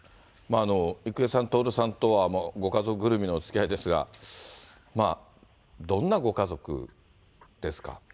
郁恵さん、徹さんとはご家族ぐるみのおつきあいですが、どんなご家族ですか。